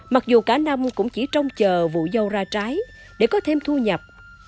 mặc dù cả năm cũng chỉ trông chờ vụ dâu ra trái để có thêm thu nhập